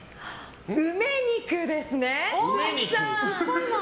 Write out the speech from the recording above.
梅肉ですね。